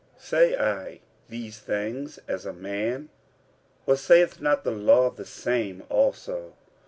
46:009:008 Say I these things as a man? or saith not the law the same also?